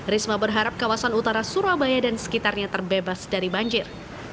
risma berharap kawasan utara surabaya dan sekitarnya terbebas dari banjir